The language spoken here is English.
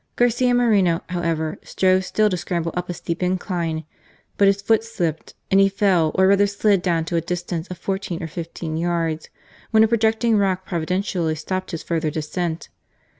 Garcia Moreno, however, strove still to scramble up a steep incline, but his foot slipped, and he fell or rather slided down to a distance of fourteen or fifteen yards, when a projec ting rock providentially stopped his further descent.